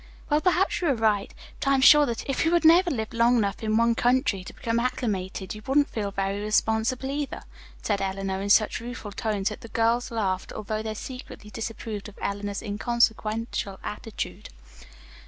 "Well, perhaps you are right, but I am sure that if you had never lived long enough in one country to become acclimated, you wouldn't feel very responsible, either," said Eleanor in such rueful tones that the girls laughed, although they secretly disapproved of Eleanor's inconsequential attitude.